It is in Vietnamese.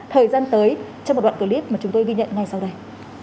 thời gian tới trong một đoạn clip mà chúng tôi ghi nhận ngay sau đây